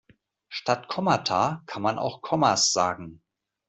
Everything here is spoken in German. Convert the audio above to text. Statt Kommata kann man auch Kommas sagen.